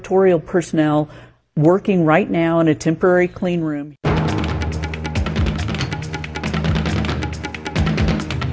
dan personal kuratorial sedang bekerja di ruang hangat